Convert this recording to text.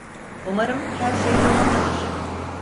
Umarım her şey yolundadır.